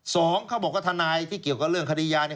สองเขาบอกว่าทนายที่เกี่ยวกับเรื่องคดียา